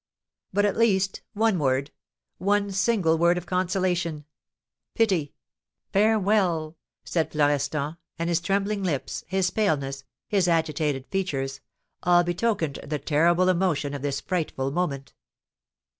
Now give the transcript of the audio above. "But, at least, one word, one single word of consolation, pity, farewell!" said Florestan; and his trembling lips, his paleness, his agitated features, all betokened the terrible emotion of this frightful moment.